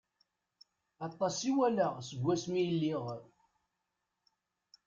Aṭas i walaɣ seg wasmi i lliɣ...